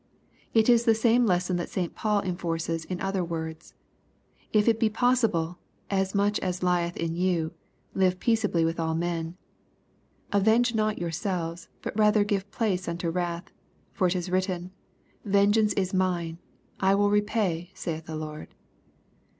It is the same lesson that St. Paul enforces in other words :'^ If it be possible, as much as lieth in you, live peaceably with all men." " Avenge not yourselves;, but rather give place unto wrath : for it is written, Vengeance is mine; I will repay, saith the Lord."